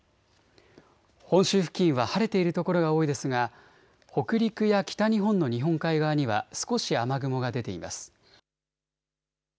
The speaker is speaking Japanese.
本州付近は晴れている所が多いですが北陸や北日本の日本海側には少し雨雲が出ています。